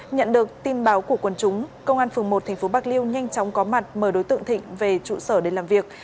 nhận được tin báo của quân chúng công an phường một tp bạc liêu nhanh chóng có mặt mời đối tượng thịnh về trụ sở để làm việc